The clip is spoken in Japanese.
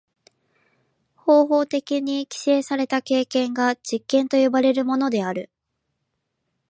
方法的に規制された経験が実験と呼ばれるものである。